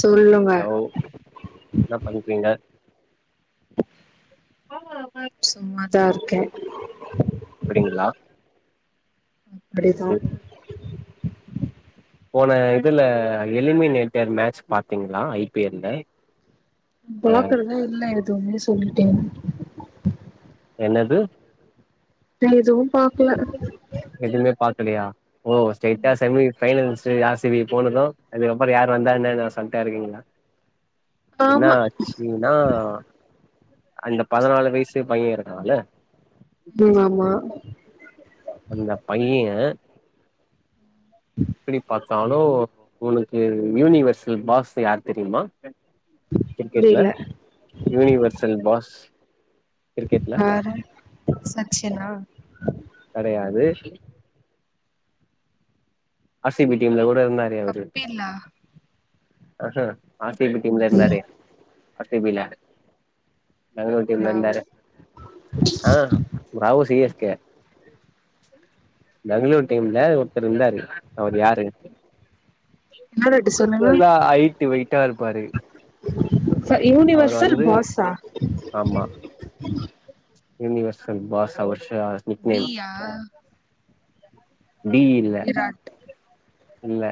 சொல்லுங்க லோ என்ன பண்றிங்க ஆ சும்மாதா இருக்கே அப்டிங்களா அப்டிதா ம் போன இதுல எளிமை நேட்டர் மேட்ச் பாத்தீங்களா ஐ பி எல் ல இந்த பாக்குறதா இல்ல எதுமே சொல்லிட்டேன் என்னது எதுவும் பாக்கல கலையா ஓ ஸ்ட்ரைட்டா semi finals R C B போனது அதுக்கபற யார் வந்தா என்னனு அசால்ட்டா இருக்கீங்களா என ஆமா அச்சினா அந்த பதனாலு வயசு பைய இருக்கால்ல ம் ஆமா அந்த பைய எப்டி பாத்தாலு உனுக்கு யூனிவர்செல் பாஸ் யார் தெரியுமா கிரிக்கெட்ல புரியல யூனிவர்சல் பாஸ் கிரிக்கெட்ல யாரு சச்சினா கெடையாது ஆர் சி பி டீம்ல ஒர் கப்பீலா ஆஹ ஆர்சிபி டீம்ல இருந்தாரே ஆர்சிபில பெங்களூர் டீம்ல இந்தாரு ஆ ஃப்ராவோ சிஎஸ்கே பெங்களூர் டீம்ல ஒருத்தர் இந்தாரு அவரு யாரு என்னடது சொல்லுங்க நல்லா ஐயிட்டு வெயிட்டாருப்பாரு அவரு யூனிவர்சல் வந்து பாஸா ஆமா யூனிவசல் பாஸ் அவர்ஷ நிக் நேம் டி இல்ல விராட் இல்ல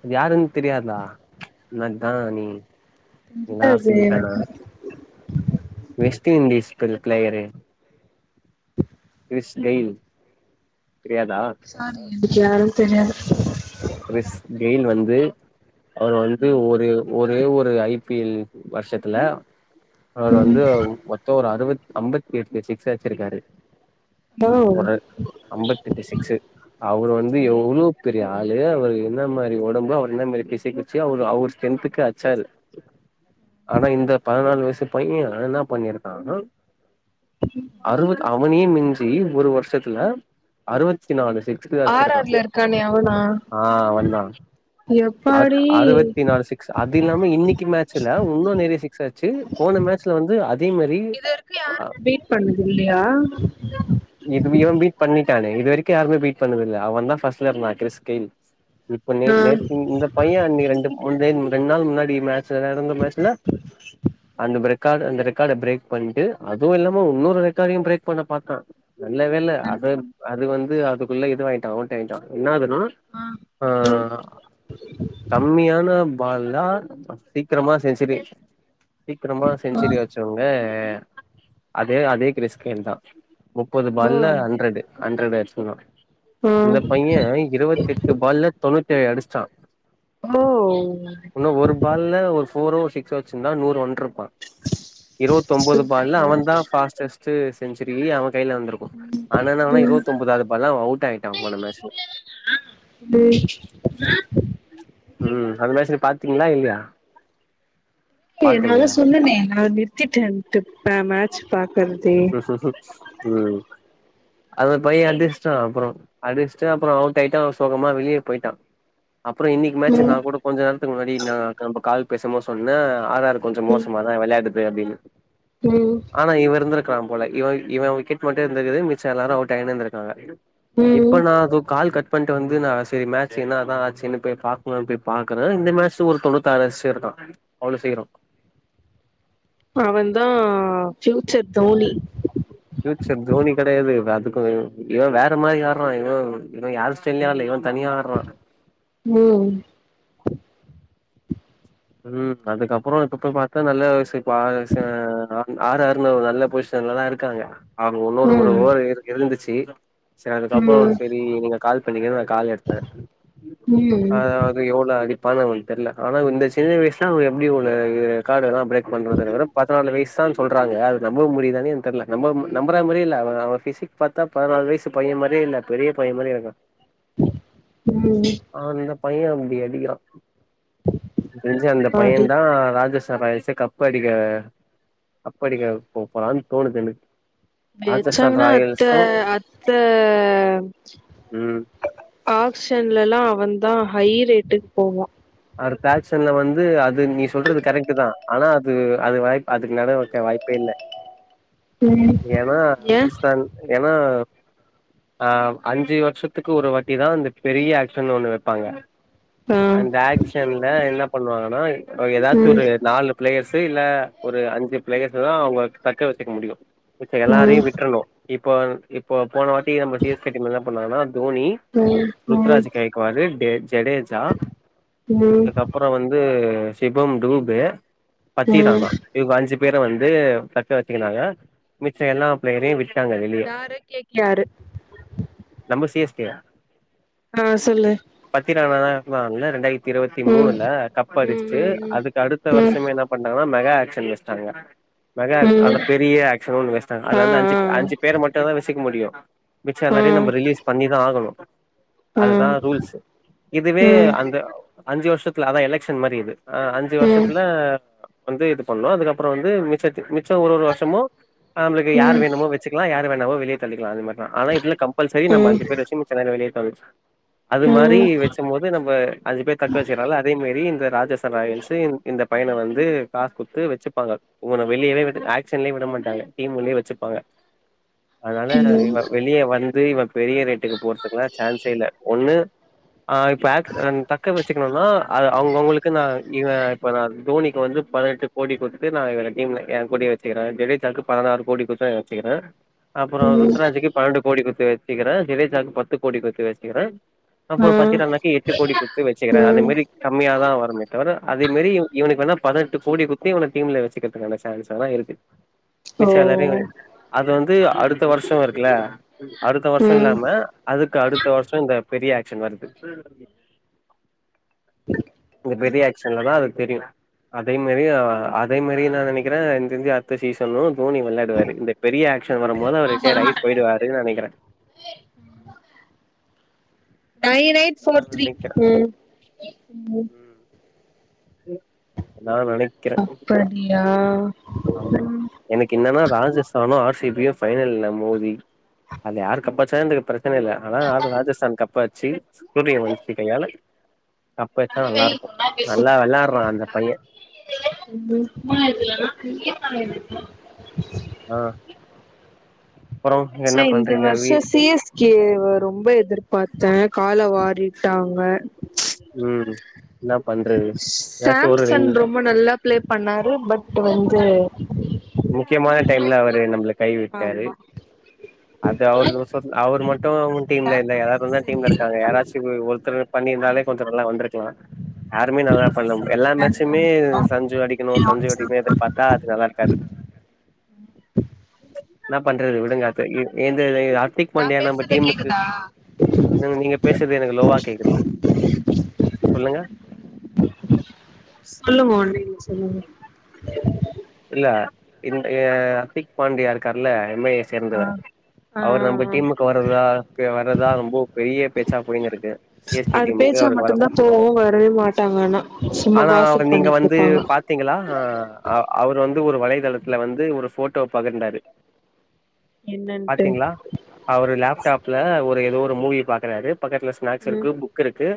அது யாருன் தெரியாதா என்னதா நீ நீல்லா தெரியாது ஆர்சிபி ஃபேனா எனக்கு வெஸ்ட்டு இண்டிஸ் புது ஃப்ளேயரு ஸ்லேவு சாரி எனக்கு யாருன் தெரியாது கிறிஸ் கெய்ல் வந்து அவரு வந்து ஒரு ஒரே ஒரு ஐ பி எல் வருஷத்துல அவர் வந்து ம் மொத்தோ ஒரு அறுவத் ஐம்பத் எட்டு சிக்ஸ் அட்ச்சிருக்காரு ஓ ஒரு ஐம்பத்தெட்டு சிக்ஸு அவரு வந்து எவ்ளோ பெர் அத்லேயே அவரு எந்த மாரி ஒடம்பு அவர் என்ன மாரி பிசிக் வச்சி அவரு அவர் ஸ்டரென்த்துக்கு அட்ச்சாரு ஆனா இந்த பதனாலு வயசு பைய என்னா பண்ணிருக்காங்கோ அறுவத் அவனேயே மிஞ்சி ஒரு வருஷத்துல அறுவத்தி நாலு சிக்ஸ்ரு அட்ச்சிருக்கா ஆ அவந்தா அர் எப்பாடி அறுவத்தி நாலு சிக்ஸ் அதில்லாம இன்னைக்கு மேச்சில உன்னு நெறைய சிக்ஸ் அட்ச்சி போன மேட்ச்ல வந்து அதே மாரி அ பீட் பண்ணது இல்லையா இதுமே இவ பீட் பண்ணிட்டானே இது வரைக்கு யருமே பீட் பண்ணதில்ல அவந்தா ஃபஸ்ட்ல இருந்தா கிறிஸ் கெய்ல் இப்ப நே ஆ நேத்து இந்த பைய இன்னைக்கு ரெண்டு முள் வே ரெண்டு நாள் முன்னாடி மேட்ச் செராட்ந்த மேச்சில அந்த ப்ர காடு அந்த ரெக்காட பிரேக் பண்ட்டு அதுவு இல்லாம உன்னொரு ரெக்காடையு பிரேக் பண்ண பாத்தா நல்ல வேல அத அது வந்து அதுக்குள்ள இத வாங்கிட்டா அவுட் ஆயிட்டா இன்னோ அது ஆ அ கம்மியான பால்லா சீக்கிரமா சென்சுரி சீக்கிரமா செஞ்சுரி அட்ச்சவுங்க அதே அதே கிறிஸ் கெய்ல் தா முப்பது பால்ல ஹண்ட்ரடு ஹண்ட்ரட் அட்ச் ஆ இந்த பைய இருவத்தெட்டு பால்ல தொண்ணூத்தேழு அடிச்ட்டா ஓ உன்னு ஒரு பால்ல ஒரு ஃபோரோ சிக்ஸ் அச்சிர்ந்தா நூறு வன்ட்ருப்பா இருவத்தொம்போது பால்ல சூப்பர் அவந்தா ஃபாஸ்டஸ் சே செஞ்சுரி அவ கையில வந்திருக்கு அத்னால அவந்தா ம் இருவத்தொம்பதாவது பால்ல அவ அவுட் ஆயிட்டா போன மேச்சில ம் ம் அந்த மேட்ச்சி நீ பாத்தீங்ளா இல்லையா ஏ நாதா பாக்கலையா சொன்னனே நா நிறுத்திட்டேன்ட்டு பே மேட்ச் பாக்கறதே ம் அத பையன் அடிச்சிட்டான் அப்புறம் அடிச்சுட்டு அப்புறம் அவுட் ஆயிட்டா சோகமா வெளியே போயிட்டான் அப்புறம் இன்னைக்கு மேச்ச ம் நான் கூட கொஞ்ச நேரத்துக்கு முன்னாடி நான் நம்ம கால் பேசுமோ சொன்னேன் ஆற கொஞ்சம் மோசமா தான் விளையாடுது அப்படின்னு ம் ம் ஆனா இவனிருந்து [unintelligible] போல இவ இவன் விக்கெட் மட்டும் இருந்தது மிச்சம் எல்லாரும் அவுட்டாயினு இருந்தக்காங்க இப்ப ம் நான் அது கால் கட் பண் ணிட்டு வந்து நான் செரி மேட்ச என்னதாச்சுன்னு போய் பாக்கலானு போய் பாக்குறேன் இந்த மேட்ச் ஒரு தொண்ணுதாறு [unintelligible] இருக்கான் அவ்வளவு செய்யிறோம் அவன் தா பியூச்சர் தோனி பியூச்சர் தோனி கிடையாது இ அதுக்கும் இவன் வேற மாதிரி வறான் இவன் இவன் யாரு ஸ்டைலயு ஆடுல தனிய ஆர்றா ம் ம் அதுக்கப்புறம் இப்ப போய் பார்த்தா நல்ல ஆறு ஆறு நல்ல பொ [unintelligible] நல்லாதா இருக்காங்க அவங்க ஒன்னொரு ஒரு ம் ஓர் இருந்துச்சு செரி அதுக்கப்புறம் ம் செரி நீங்க கால் பண்ணீங்க நான் கால் எடுத்தே ம் அது எவள ஆ [unintelligible] பண்ணவங்களுக்கு தெரியல ஆனா இந்த சின்ன வயசுலா எப்டி ஒரு ரெக்கார்டுலாம் பிரேக் பண்றதுங்கற பதுனாலு வயசு [unintelligible] சொல்றாங்க அது நம்ப முடியுதானே தெரியல நம்பரமாரியே இல்ல பேசிக் பார்த்தா பதினாலு வயசு பையன் மாரியேயில்ல பெரிய பையன்மாரி இருக்கா ம் [unintelligible] [unintelligible] அந்த அடி பையன் தா ராஜேஸ் [unintelligible] கப்பா அடிக்க அப்பா அடிக்க போ போலான்னு தோணுதுன்னுக்கு பேச்சாங்கன்னா அத்த அத்த ம் ஆக்சன்லல்லாம் அவன் தான் ஹை ரேட்டுக்கு போவான் அ பேசன்ல வந்து அது நீ சொல்றது கரெக்ட் தான் ஆனா அது அது வாய்ப அதுக்கு நட வக்க வாய்ப்பே இல்லை ம் ஏன்னா ஏ ராஜஸ்தான் ஏன்னா ஆ அஞ்சு வருஷத்துக்கு ஒரு வாட்டிதான் அந்த பெரிய ஆக்க்ஷன் ஒண்ணு வைப்பாங்க ஆ அந்த என்ன எல்லா பண்ணுவாங்கன்னா ஏதாச்ச ம் ஒரு நாலு பிளேயர்ஸ்ஸேயில்ல ஒரு அஞ்சு பிளேயர்ஸ் தா அவங்க தக்க வச்சக்க முடியும் உ ம் எல்லாரையும் விட்றணும் இப்போ இப்போ போனவாட்டி நம்ம [unintelligible] என்ன பண்ணாங்கன்னா தோனி ம் ம் ருத்ராஜ் கேக்வாருட ஜடேஜா ம் அதுக்கப்புறம் வந்து சிவம் டூபு ம் பத்திரணா இ காஞ்சி பேரை வந்து தக்க வச்சுக்கனாங்க மிச்சம் எல்லா ப்ளேயரையும் விட்டு க்கங்களிய கே கே ஆரு நம்ப சி ஸ் டி யா ஆ சொல்லு நான்ல ரெண்டாயிரத்தி இருபத்தி ம் மூணுல கப்ப ம் அடிச்சுட்டு ம் அதுக்கு அடுத்த ம் ம் வருஷமே என்ன பண்ணட்டாங்கன்னா மெகா ஆக்சன் வச்சிட்டாங்க மெகா அத ம் பெரிய ஆக்சனும் ஒ வசிட்டாங்க ஆ அதுல வந்து அஞ்சு ஆ அஞ்சு பேர் மட்டம்தா வச்சிக்க முடியும் மிச்ச ஆ எல்லாரே நம்ம ரிலீஸ் பண்ணி தான் ஆகனும் ஆ ம் அதுதான் ம் ரூல்ஸ் ம் இதுவே அந்த அஞ்சு வருஷத்துல அதான் எலெக்க்ஷன் மாரி இது ஆ அஞ்சு ம் வருஷத்துல வந்து இது பண்ணு அதுக்கப்புற வந்து மிச்சத்தி மிச் மிச்ச ஒரு ஒரு வருஷமு நம்மளுக்கு ம் யார் ம் வேணுமோ வச்சுக்கலா யார் வேணுமோ வெளியே தள்ளிக்கலா அது மாரி ஆனா இதுல கம்பல்சரி நம்ம ம் அஞ்சு பேரு வச்சு மிச்ச எல்லாரு வெளியே இருப்பாங்க அது மாரி வச்சும் போது நம்ம அஞ்சு பேர் தக்க வச்சதால அதேமாரி இந்த ராஜஸ் ராயல் சிங் இந்த பையன வந்து காசு குடுத்து வச்சுப்பாங்க அவன வெளியேவே விட ஆக்சன்லேயே விட மாட்டாங்க டீம் உள்ளேயே வச்சுப்பாங்க அதால இவ வெளியே வந்து இவன் பெரிய ரேட்டுக்கு போறதுக்குலா சான்சே இல்ல ஒண்ணு ஆ இப்ப ஆக் ம் தக்க வச்சுக்கணும்னா அது அவங்கவங்களுக்கு நா இத இப்ப நா தோனிக் கு வந்து பதினெட்டு கோடி குத்து நா இவன டீம்ல ஏங்கூடியே வச்சுகிற ஜெடைஜாக்கு பதனாறு கோடி குத்தா வச்சுகிற அப்புற ருத்ராஜிக்கு பணண்டு கோடி குத் து வச்சுகிற ஜெடேஜாக்கு பத்து கோடி குத்து வச்சுகிற ஆ அப்புற பக்கெட் அண்ணாக்கு எட்டு கோடி குத் து வச்சுகிற அது ம் மேரி கம்மியாதா வருமே தவர அதே மேரி இவ இவனுக்கு வேணா பதினெட்டு கோடி குத்து இவன டீம்ல வச்சுக்கிறதுக்கான சான்ஸ்லா இருக்கு ஓ மிச்ச எல்லாரையு வெ அது வந்து அடுத்த வருஷ இருக்குல்ல அடுத்த வருஷ ம் இல்லாம அதுக்கு அடுத்த வருஷ இந்த பெரிய ஆக்சன் வருது இந்த பெரிய ஆகஷன்லதா அது தெரியு அதே மேரி அதே மேரி என்னா நெனைக்கிற இந்திந்தி அடுத்த சீசனு தோணி விளையாடுவாரு இந்த பெரிய ஆக் ஷன் வரும்போது அவரு ரிட்டேர்டாகி போயி்டுவாருனு நெனைக்கிற நைன் எய்ட் ஃபோர் த்ரீ ம் ம் நா நெனைக்கிறே அப்படியா ஆமா எனக்கு என்னனா ராஜஸ்தானு ஆர் சிப் பியு ஃபைனல்ல மோதி அங்க யாரு கப்பட்ச்சாந்த பிற பிரச்சனல ஆனா அது ராஜஸ்தான்க் கப்பாச்சி சூரியவம்சி கையால கப்பட்ச்சா நல்லாருக்கு நல்லா வெளார்றா அந்த பைய [unintelligible] ஆ அப்புறோ என்ன க்சுலா இந்த பண்றீங்க வீ வருஷ சி எஸ் கே வ ரொம்ப எதிர்பாத்த கால வாரிட் ட்டாங்க ம் என்ன பண்றது ஏதாச்சு ஒரு சாம்சன் ரெண்டு ரொம்ப நல்லா பிளே பண்ணாரு பட் வந்து முக்கியமான டைம்ல அவரு நம்ள கைவிட்டாரு ஆமா அது அவுர்து சொன் அவுர் மட்டு உன் டீம்லந்தா யாராது வந்தா டீம்லருக்காங்க யாராச்சு ஒருத்தரு பண்ணியிருந்தாலே கொஞ்ச நல்லா வந்திருக்லா அ தம்பி நல்லா பண்ணும் எல்லா மேச்சுமே சஞ்சு அடிக்கணு சஞ்சு அடிக்கனு எதிர்பார்த்தா அது நல்லாருக்காது என்னா பண்றது விடுங்க [unintelligible] ரித்திக்பாண்டியா நம்ம டீமுக்கு ம் நீங்க பேஷ்றது எனக்கு லோவா கேக்குது சொல்லுங்க சொல்லுங்க ஒன்னுல்ல சொல்லுங்க இல்ல இந்த ஏ அத்திக் பாண்டியா இருக்கார்ல எம் ஐ ஏ சேர்ந்தவர் ஆ அவர் நம்ம ஆ ஆ டீமுக்கு வர்றதா இப்ப வர்றதா ரொம்ப பெரிய பேச்சா போயினுருக்கு சி எஸ் கே அது டீமுக்கு ஏ பேச்சா அவருக்கு வரு மட்டும்தா போவு வரவே மாட்டாங்க ஆனா சும்மா ஆனா காசிப் நீங்க பண்ணிட்டு வந்து இருப்பாங்க பாத்தீங்களா ஆ அவரு வந்து ஒரு வலைதளத்ல வந்து ஒரு ஃபோட்டோ பகிர்ந்தாரு என்னன்ட்டு பாத்தீங்ளா அவரு லேப்டாப்ல ஒரு ஏதோ ஒரு மூவி பாக்கறாரு பக்கத்ல ஸ்நாக்ஸ் ம் இருக்கு புக் இருக்கு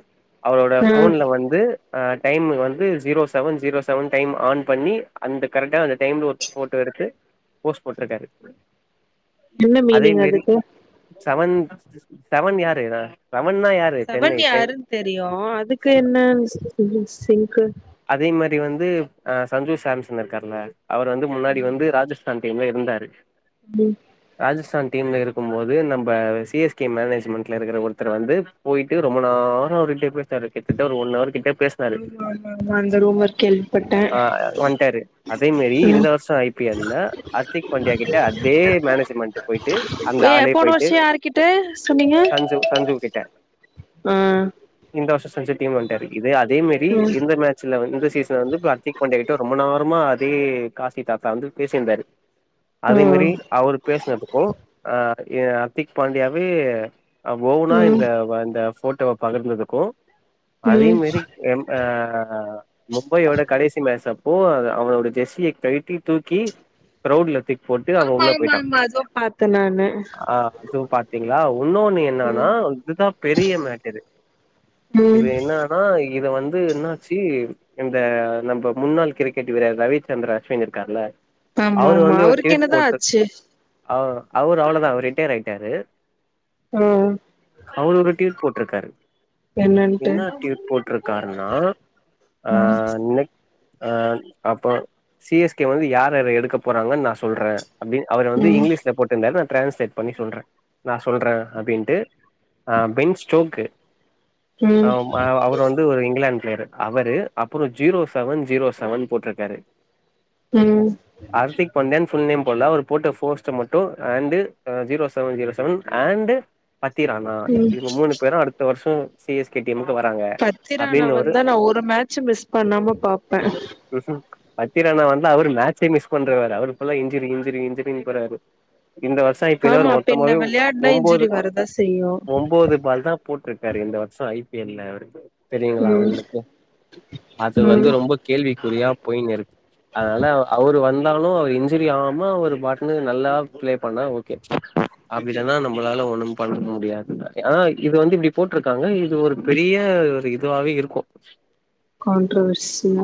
அவரோட ஆ ஃபோன்ல வந்து ஆ டைம் வந்து zero seven zero seven time on பண்ணி அந்த கரட்டா அந்த டைம்ல ஒரு ஃபோட்டோ எடுத்து போஸ்ட் போட்ருக்காரு என்ன மீனிங் அதுக்கு செவன் செவன் யாரு ரா செவன்யாருன் தெரியு அதுக்கு என்ன சிங்க்கு அதே மாரி வந்து அ சஞ்சு சாம்சன் இருக்கார்ல அவர் வந்து முன்னாடி ம் வந்து ராஜஸ் சாந்த இருந்தாரு ராஜஸ்தான் டீம்ல இருக்கும்போது நம்ம சி எஸ் கே மேனேஜ்மெண்ட்ல இருக்கற ஒருத்தர் வந்து போயிட்டு ரொம்ப நேர ஒரு டெபே தரு கிட்தட்ட ஒரு ஒன் ஹவர் கிட்ட பேஸ்னாரு ஆமா ஆமா ஆமா அந்த ரூமர் கேள்விப்பட்டே ஆ வன்ட்டாரு அதே மேரி இந்த ம் வர்ஷ ஐ பி எல் ல அர்த்திக் பண்டிய ய கிட்ட அதே மேனேஜ்மெண்ட்டு போயிட்டு அந்த ஏ ஆளே போன போயிட்டு வருஷோ யாருகிட்ட சஞ்சு சஞ்சு கிட்ட அ இந்த வருஷோ சஞ்சு டீம் வன்ட்டாரு இது அதே மேரி இந்த மேட்ச்ல வந் இந்த சீசன் வந்து அர்த்திக் பாண்டியா கிட்ட ரொம் பநேரமா அதே காசி தாத்தா வந்து பேசியிந்தாரு ஆ அதே மாரி அவரு பேசுனதுக்கு அ எ அத்திக் பாண்டியாவே ஓவுனா ம் இந்த இந்த ஃபோட்டோவ பகிர்ந்ததுக்கு அதே ம் மாரி எம் அ ஆ மும்பையோட கடைசி மேசப் ஓ அது அவனோட ஜெர்ஸிய கழ்ட்டி தூக்கி க்ரௌடுல தூ போட்டு அவ ஆமா உள்ள ஆமா போய்ட்டா ஆமா அதுவு பாத்தே நானு ஆ அதுவு பாத்தி இன்னோனு என்னனா ம் இதுதா பெரிய மேட்டரு இது ம் என்னானா இது வந் து என்னாச்சு இந்த நம்ப முன்னாள் கிரிக்கெட் வீரர் ரவிச்சந்திர அஸ்வின் இருக்கார்ல ஆமா அவுரு ஆமா வந்து ஒரு அவருக்கு ட்வீட் என்னதா போட்டு ஆச்சு அவ அவுரு அவ்ளோதா அவுர் ரிட்டேர் ஆய்ட்டாரு ஆ அவுரு ஒரு ட்வீட் போட்ருக்காரு என்னன்ட்டு என்னா ட்வீட் போட்ருக்காருனா ஆ ம் நெ ஆ அப்பொ சி எஸ் கே வந்து யார் யார எடுக்க போறாங்கன் நா சொல்ற அப்டின் அவுரு வந்து ம் இங்கிலிஷ்ல போட்ருந்தாரு நா ட்ரான்ஸ்லேட் பண்ணி சொல்ற நா சொல்ற அப்டின்ட்டு அ பென் ஸ்டோக்கு அ ம் அவுரு வந்து ஒரு இங்கிலேன்டு ப்ளேயரு அவரு அப்புற ஜீரோ செவன் ஜீரோ செவன் போட்ருக்காரு ம் நேம் ஃபுல் நேம் போடுல அவுர் போட்ட போஸ்ட் மட்டு and zero seven zero seven and பத்திரானான் ம் இவுங்க மூணு பேரு அடுத்த வருஷ சி எஸ் கே டீமுக்கு வராங்க அப்டினு பத்திரானாவன் ஒரு தா நா ஒரு மேட்ச் மிஸ் பண்ணாம பாப்ப பத்திராணா வந்து அவரு மேட்சே மிஸ் பண்றவரு அவரு போல இன்ஜுரி இன்ஜுரி இன்ஜுரின் போறாரு இந்த வருஷ இப்பிடிதா ஒரு ஆமா பின்ன மொத்தமாவே விளையாட்னா ஒம்போது இன்ஜுரி வரதா செய்யு ஒம்போது பால் தா போட்ருக்காரு இந்த வருஷ ஐ பி எல் ல அவுருக்கு தெரியுங்ளா ம் உங்களுக்கு அது வந்து ம் ரொம்ப கேள்விக்குறியா போயினுருக் அதனால அ அவுரு வந் தாலு அவ இன்ஜுரி ஆகாம அவுரு பாட்னு நல்லா பிளே பண்ணா ஓகே அப்பிடிதான நம்மளால ஒண்ணும் பண்ண முடியாதுல ஆனா இது வந்து இப்டி போட்ருக்காங்க இது ஒரு பெரிய ஒரு இதுவாவே இருக்கு கான்ட்ரவர்சியா